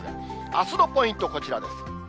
あすのポイント、こちらです。